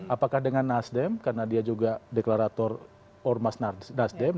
apakah dengan nasdem karena dia juga deklarator ormas nasdem